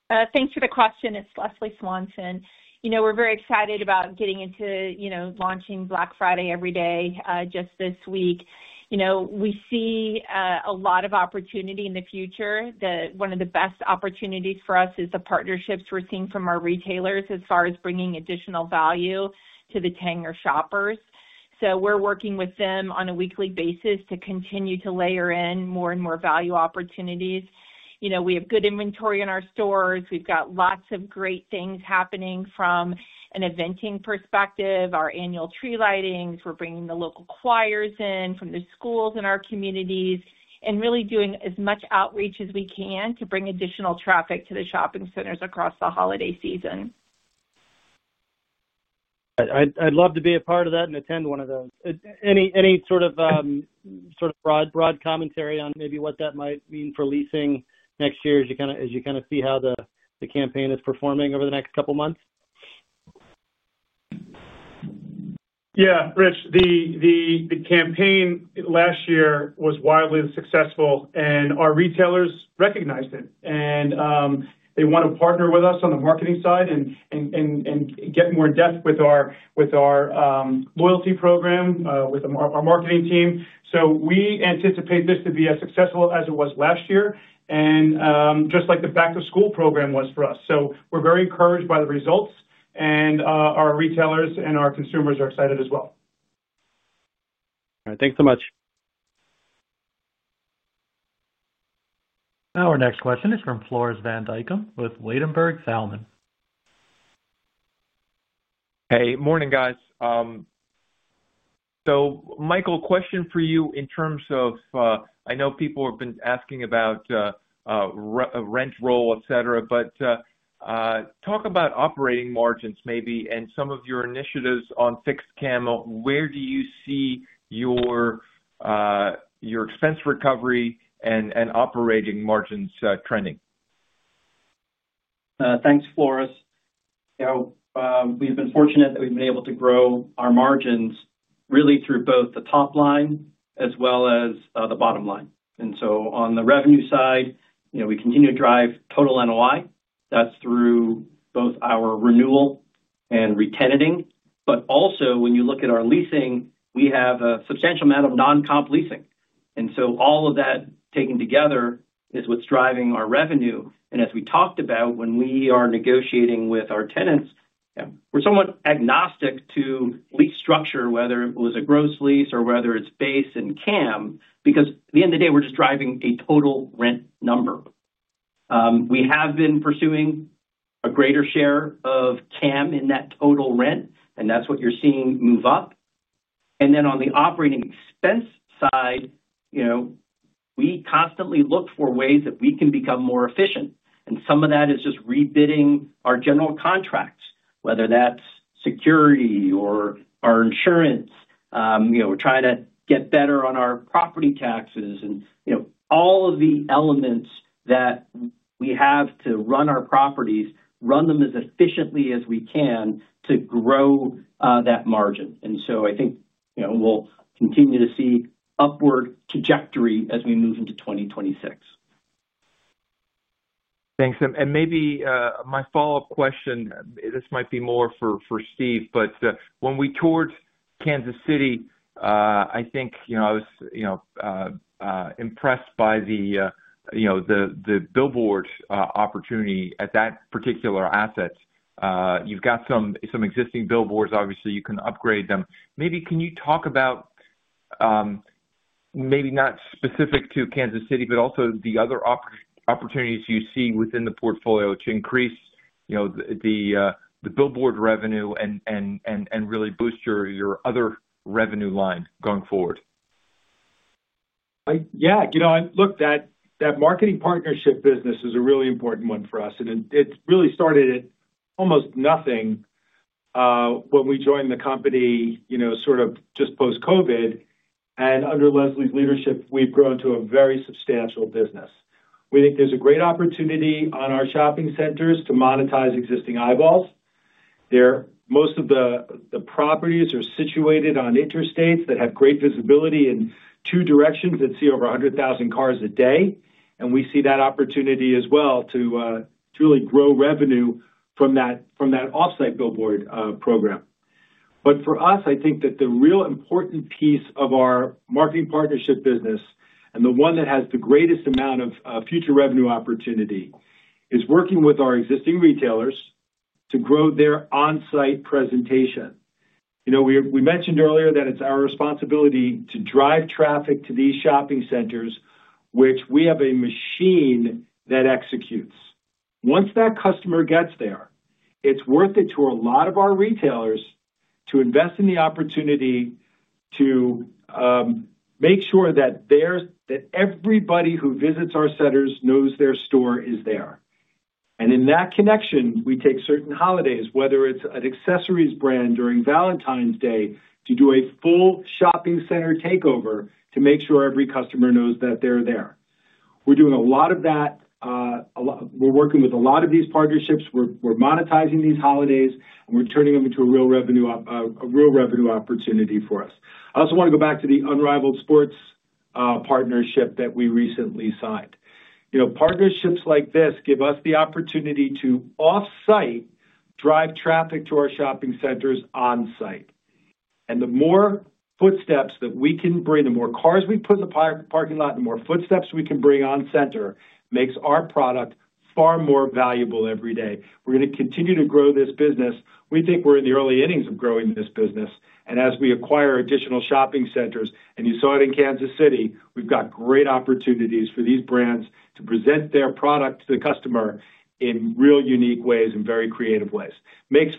Thanks for the question. It's Leslie Swanson. You know, we're very excited about getting into, you know, launching Black Friday every day just this week. You know, we see a lot of opportunity in the future. One of the best opportunities for us is the partnerships we're seeing from our retailers as far as bringing additional value to the Tanger shoppers. So we're working with them on a weekly basis to continue to layer in more and more value opportunities. You know, we have good inventory in our stores. We've got lots of great things happening from an eventing perspective, our annual tree lightings. We're bringing the local choirs in from the schools in our communities and really doing as much outreach as we can to bring additional traffic to the shopping centers across the holiday season. I'd love to be a part of that and attend one of those. Any sort of broad commentary on maybe what that might mean for leasing next year as you kind of see how the campaign is performing over the next couple of months? Yeah. Rich, the campaign last year was wildly successful, and our retailers recognized it. They want to partner with us on the marketing side and get more in depth with our loyalty program, with our marketing team. We anticipate this to be as successful as it was last year, just like the back-to-school program was for us. We are very encouraged by the results, and our retailers and our consumers are excited as well. All right. Thanks so much. Our next question is from Floris Van Dijkum with Ladenburg Thalmann. Hey. Morning, guys. Michael, question for you in terms of, I know people have been asking about rent roll, et cetera, but talk about operating margins maybe and some of your initiatives on fixed CAM. Where do you see your expense recovery and operating margins trending? Thanks, Flores. You know, we've been fortunate that we've been able to grow our margins really through both the top line as well as the bottom line. On the revenue side, you know, we continue to drive total NOI. That is through both our renewal and re-tenanting. Also, when you look at our leasing, we have a substantial amount of non-comp leasing. All of that taken together is what is driving our revenue. As we talked about, when we are negotiating with our tenants, we're somewhat agnostic to lease structure, whether it was a gross lease or whether it's base and CAM, because at the end of the day, we're just driving a total rent number. We have been pursuing a greater share of CAM in that total rent, and that is what you're seeing move up. On the operating expense side, you know, we constantly look for ways that we can become more efficient. Some of that is just rebidding our general contracts, whether that's security or our insurance. You know, we're trying to get better on our property taxes and, you know, all of the elements that we have to run our properties, run them as efficiently as we can to grow that margin. I think, you know, we'll continue to see upward trajectory as we move into 2026. Thanks. Maybe my follow-up question, this might be more for Steve, but when we toured Kansas City, I think, you know, I was, you know, impressed by the, you know, the billboard opportunity at that particular asset. You have got some existing billboards. Obviously, you can upgrade them. Maybe can you talk about, maybe not specific to Kansas City, but also the other opportunities you see within the portfolio to increase, you know, the billboard revenue and really boost your other revenue line going forward? Yeah. You know, look, that marketing partnership business is a really important one for us. And it really started at almost nothing. When we joined the company, you know, sort of just post-COVID. And under Leslie's leadership, we've grown to a very substantial business. We think there's a great opportunity on our shopping centers to monetize existing eyeballs. Most of the properties are situated on interstates that have great visibility in two directions that see over 100,000 cars a day. We see that opportunity as well to truly grow revenue from that off-site billboard program. For us, I think that the real important piece of our marketing partnership business and the one that has the greatest amount of future revenue opportunity is working with our existing retailers to grow their on-site presentation. You know, we mentioned earlier that it's our responsibility to drive traffic to these shopping centers, which we have a machine that executes. Once that customer gets there, it's worth it to a lot of our retailers to invest in the opportunity to make sure that everybody who visits our centers knows their store is there. In that connection, we take certain holidays, whether it's an accessories brand during Valentine's Day, to do a full shopping center takeover to make sure every customer knows that they're there. We're doing a lot of that. We're working with a lot of these partnerships. We're monetizing these holidays, and we're turning them into a real revenue opportunity for us. I also want to go back to the Unrivaled Sports partnership that we recently signed. You know, partnerships like this give us the opportunity to off-site drive traffic to our shopping centers on-site. The more footsteps that we can bring, the more cars we put in the parking lot, the more footsteps we can bring on center makes our product far more valuable every day. We're going to continue to grow this business. We think we're in the early innings of growing this business. As we acquire additional shopping centers, and you saw it in Kansas City, we've got great opportunities for these brands to present their product to the customer in real unique ways and very creative ways. Makes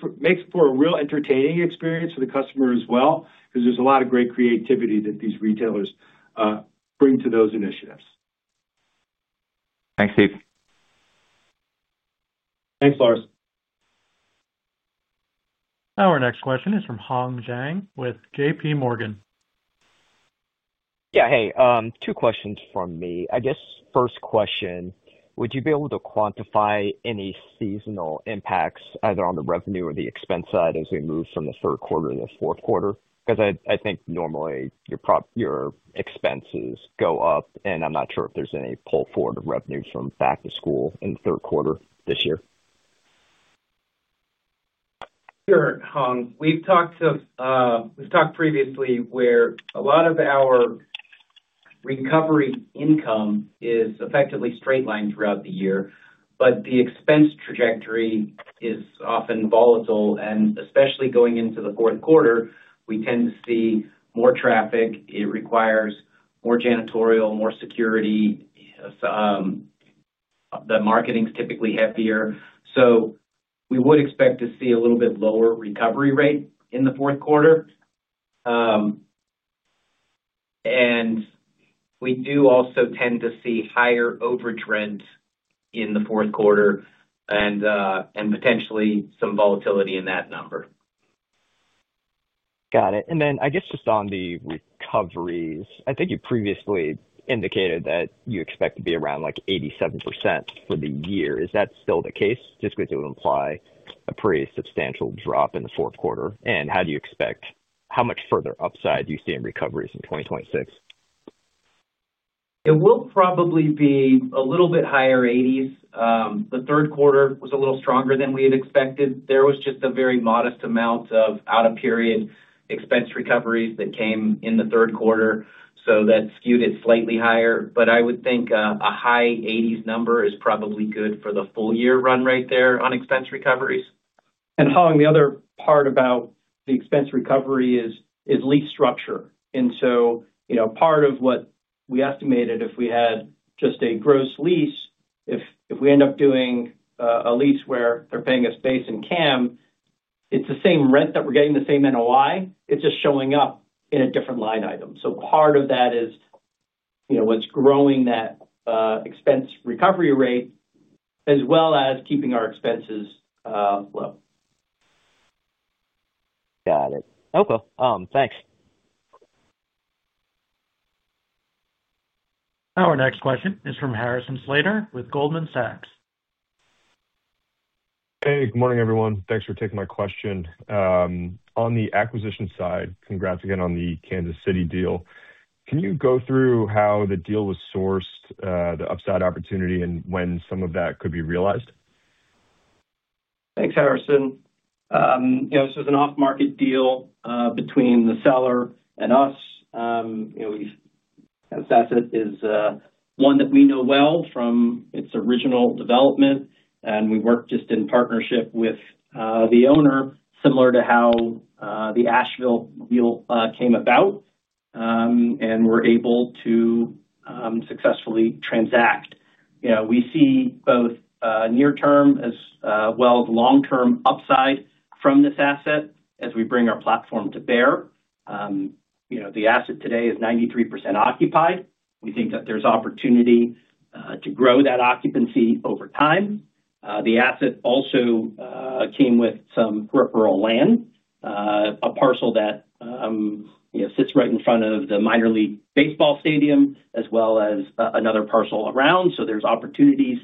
for a real entertaining experience for the customer as well, because there's a lot of great creativity that these retailers bring to those initiatives. Thanks, Steve. Thanks, Flores. Our next question is from Hongliang Zhang with JPMorgan. Yeah. Hey, two questions from me. I guess first question, would you be able to quantify any seasonal impacts either on the revenue or the expense side as we move from the third quarter to the fourth quarter? Because I think normally your expenses go up, and I'm not sure if there's any pull forward of revenue from back-to-school in the third quarter this year. Sure, Hong. We've talked previously where a lot of our recovery income is effectively straight lined throughout the year, but the expense trajectory is often volatile. Especially going into the fourth quarter, we tend to see more traffic. It requires more janitorial, more security. The marketing is typically heavier. We would expect to see a little bit lower recovery rate in the fourth quarter. We do also tend to see higher overage rent in the fourth quarter and potentially some volatility in that number. Got it. I guess just on the recoveries, I think you previously indicated that you expect to be around 87% for the year. Is that still the case? It would imply a pretty substantial drop in the fourth quarter. How do you expect, how much further upside do you see in recoveries in 2026? It will probably be a little bit higher 80s. The third quarter was a little stronger than we had expected. There was just a very modest amount of out-of-period expense recoveries that came in the third quarter, so that skewed it slightly higher. I would think a high 80s number is probably good for the full year run right there on expense recoveries. Hong, the other part about the expense recovery is lease structure. Part of what we estimated, if we had just a gross lease, if we end up doing a lease where they're paying us base and CAM, it's the same rent that we're getting, the same NOI. It's just showing up in a different line item. Part of that is what's growing that expense recovery rate as well as keeping our expenses low. Got it. Okay. Thanks. Our next question is from Harrison Slater with Goldman Sachs. Hey, good morning, everyone. Thanks for taking my question. On the acquisition side, congrats again on the Kansas City deal. Can you go through how the deal was sourced, the upside opportunity, and when some of that could be realized? Thanks, Harrison. You know, this was an off-market deal between the seller and us. You know, we asset is one that we know well from its original development, and we work just in partnership with the owner, similar to how the Asheville deal came about. And we're able to successfully transact. You know, we see both near-term as well as long-term upside from this asset as we bring our platform to bear. You know, the asset today is 93% occupied. We think that there's opportunity to grow that occupancy over time. The asset also came with some peripheral land. A parcel that, you know, sits right in front of the minor league baseball stadium as well as another parcel around. So there's opportunities,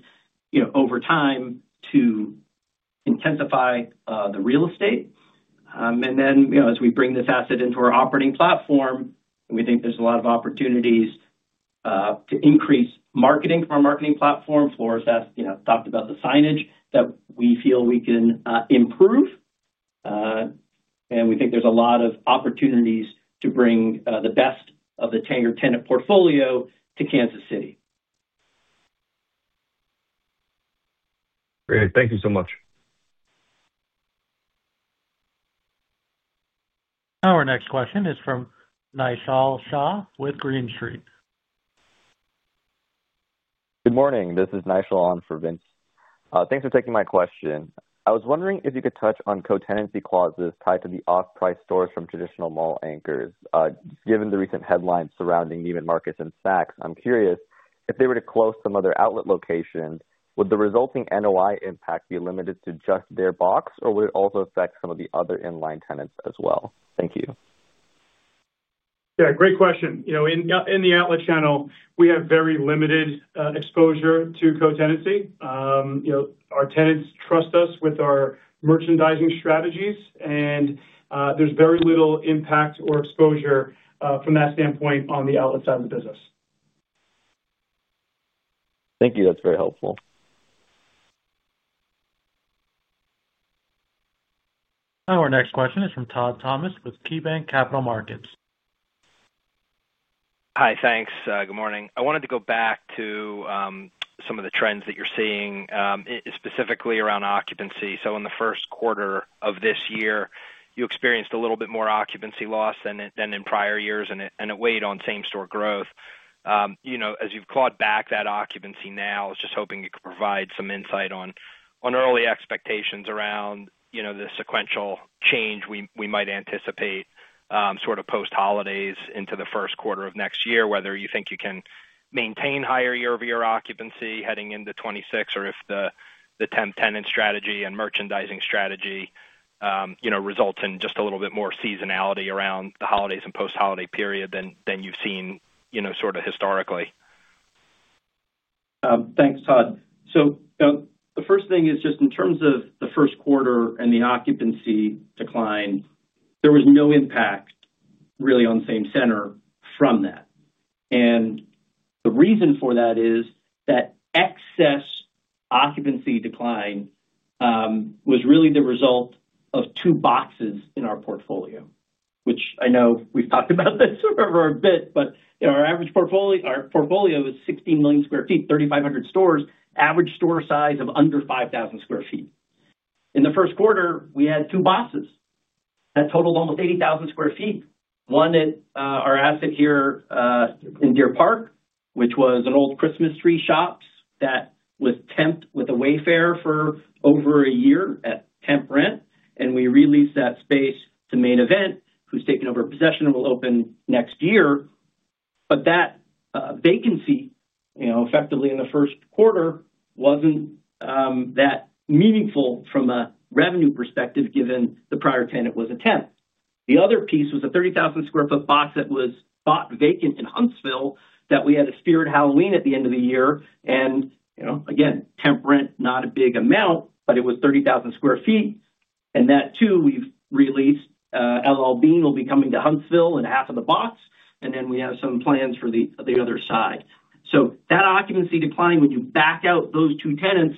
you know, over time to intensify the real estate. You know, as we bring this asset into our operating platform, we think there's a lot of opportunities to increase marketing for our marketing platform. Flores asked, you know, talked about the signage that we feel we can improve. We think there's a lot of opportunities to bring the best of the tenure tenant portfolio to Kansas City. Great. Thank you so much. Our next question is from Naishal Shah with Green Street. Good morning. This is Naishal on for Vince. Thanks for taking my question. I was wondering if you could touch on co-tenancy clauses tied to the off-price stores from traditional mall anchors. Given the recent headlines surrounding Neiman Marcus and Saks, I'm curious, if they were to close some other outlet locations, would the resulting NOI impact be limited to just their box, or would it also affect some of the other inline tenants as well? Thank you. Yeah, great question. You know, in the outlet channel, we have very limited exposure to co-tenancy. You know, our tenants trust us with our merchandising strategies, and there's very little impact or exposure from that standpoint on the outlet side of the business. Thank you. That's very helpful. Our next question is from Todd Thomas with KeyBanc Capital Markets. Hi, thanks. Good morning. I wanted to go back to some of the trends that you're seeing, specifically around occupancy. In the first quarter of this year, you experienced a little bit more occupancy loss than in prior years, and it weighed on same-store growth. You know, as you've clawed back that occupancy now, I was just hoping you could provide some insight on early expectations around, you know, the sequential change we might anticipate sort of post-holidays into the first quarter of next year, whether you think you can maintain higher year-over-year occupancy heading into 2026, or if the temp tenant strategy and merchandising strategy, you know, results in just a little bit more seasonality around the holidays and post-holiday period than you've seen, you know, sort of historically. Thanks, Todd. The first thing is just in terms of the first quarter and the occupancy decline, there was no impact really on same center from that. The reason for that is that excess occupancy decline was really the result of two boxes in our portfolio, which I know we've talked about this for a bit, but our average portfolio is 16 million sq ft, 3,500 stores, average store size of under 5,000 sq ft. In the first quarter, we had two boxes that totaled almost 80,000 sq ft. One at our asset here in Deer Park, which was an old Christmas Tree Shop that was temped with a Wayfair for over a year at temp rent. We released that space to Main Event, who's taken over possession and will open next year. That vacancy, you know, effectively in the first quarter, was not that meaningful from a revenue perspective given the prior tenant was a temp. The other piece was a 30,000 sq ft box that was bought vacant in Huntsville that we had a Spirit Halloween at the end of the year. You know, again, temp rent, not a big amount, but it was 30,000 sq ft. That too, we have released. L.L. Bean will be coming to Huntsville in half of the box. We have some plans for the other side. That occupancy decline when you back out those two tenants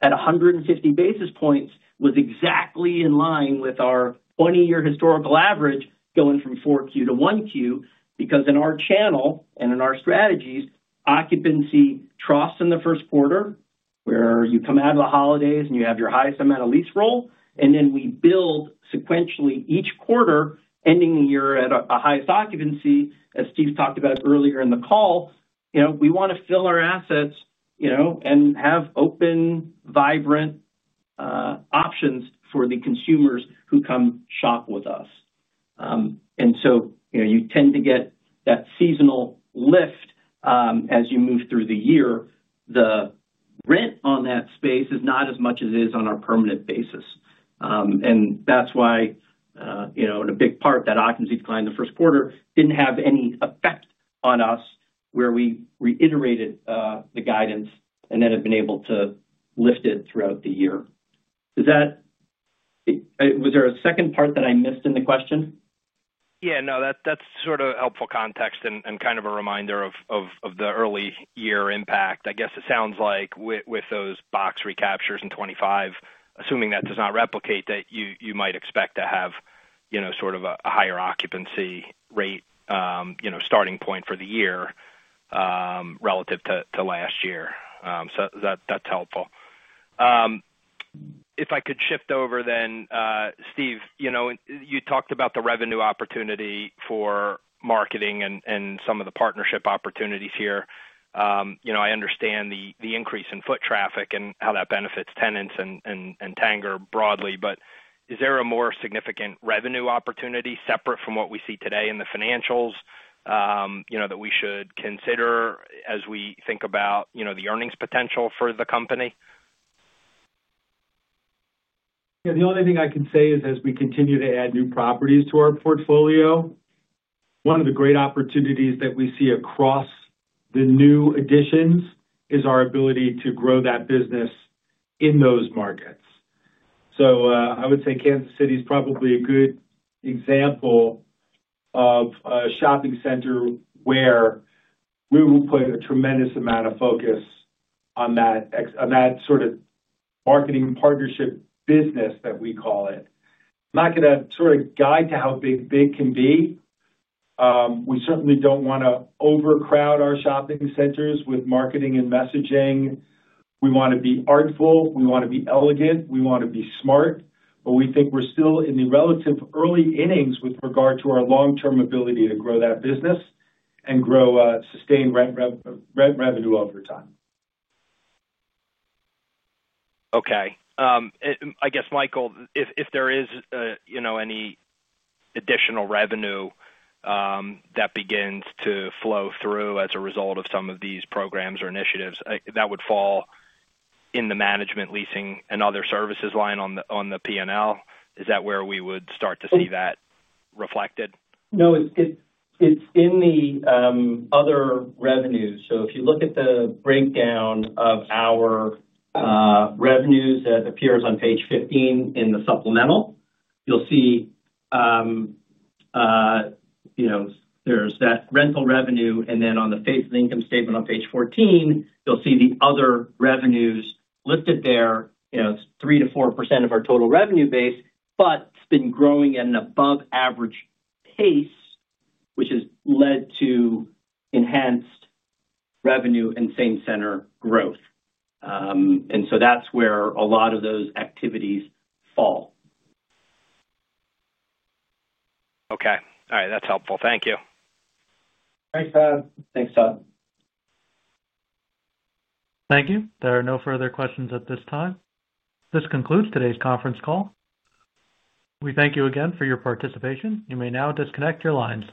at 150 basis points was exactly in line with our 20-year historical average going from Q4 to Q1 because in our channel and in our strategies, occupancy troughs in the first quarter where you come out of the holidays and you have your highest amount of lease roll. Then we build sequentially each quarter, ending the year at a highest occupancy, as Steve talked about earlier in the call. You know, we want to fill our assets, you know, and have open, vibrant options for the consumers who come shop with us. You tend to get that seasonal lift as you move through the year. The rent on that space is not as much as it is on our permanent basis. That's why, you know, in a big part, that occupancy decline in the first quarter didn't have any effect on us where we reiterated the guidance and then have been able to lift it throughout the year. Is that. Was there a second part that I missed in the question? Yeah, no, that's sort of helpful context and kind of a reminder of the early year impact. I guess it sounds like with those box recaptures in 2025, assuming that does not replicate, that you might expect to have, you know, sort of a higher occupancy rate, you know, starting point for the year. Relative to last year. That's helpful. If I could shift over then, Steve, you know, you talked about the revenue opportunity for marketing and some of the partnership opportunities here. I understand the increase in foot traffic and how that benefits tenants and Tanger broadly, but is there a more significant revenue opportunity separate from what we see today in the financials. You know, that we should consider as we think about, you know, the earnings potential for the company? Yeah, the only thing I can say is as we continue to add new properties to our portfolio, one of the great opportunities that we see across the new additions is our ability to grow that business in those markets. I would say Kansas City is probably a good example of a shopping center where we will put a tremendous amount of focus on that sort of marketing partnership business that we call it. I'm not going to sort of guide to how big big can be. We certainly do not want to overcrowd our shopping centers with marketing and messaging. We want to be artful. We want to be elegant. We want to be smart. We think we're still in the relative early innings with regard to our long-term ability to grow that business and grow sustained rent revenue over time. Okay. I guess, Michael, if there is, you know, any additional revenue that begins to flow through as a result of some of these programs or initiatives, that would fall in the management, leasing, and other services line on the P&L. Is that where we would start to see that reflected? No, it's in the other revenues. If you look at the breakdown of our revenues that appears on page 15 in the supplemental, you'll see, you know, there's that rental revenue. Then on the face of the income statement on page 14, you'll see the other revenues listed there, you know, 3%-4% of our total revenue base, but it's been growing at an above-average pace, which has led to enhanced revenue and same center growth. That's where a lot of those activities fall. Okay. All right. That's helpful. Thank you. Thanks, Todd. Thank you. There are no further questions at this time. This concludes today's conference call. We thank you again for your participation. You may now disconnect your lines.